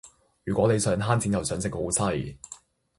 如果你想慳錢又想食好西